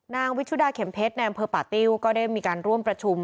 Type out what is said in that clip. นางวิชุดาเข็มเพชรในอำเภอป่าติ้วก็ได้มีการร่วมประชุม